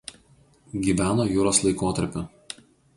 Gyveno juros laikotarpiu.